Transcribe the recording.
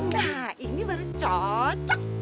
nah ini baru cocok